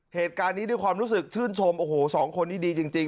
เหตุการณ์นี้ด้วยความรู้สึกชื่นชมโอ้โหสองคนนี้ดีจริง